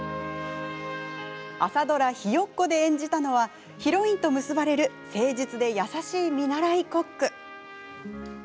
朝ドラ「ひよっこ」で演じたのはヒロインと結ばれる誠実で優しい見習いコック。